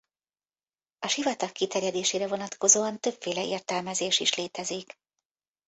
A sivatag kiterjedésére vonatkozóan többféle értelmezés is létezik.